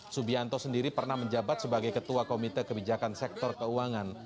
subianto sendiri pernah menjabat sebagai ketua komite kebijakan sektor keuangan